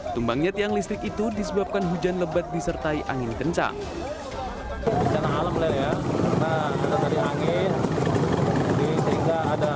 tumbangnya tiang listrik itu disebabkan hujan lebat disertai angin kencang